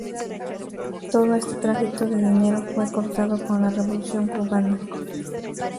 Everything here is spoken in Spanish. Todo este tránsito de dinero fue cortado con la revolución cubana.